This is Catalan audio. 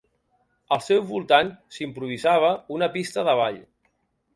Al seu voltant s’hi improvisava una pista de ball.